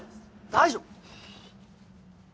大丈夫！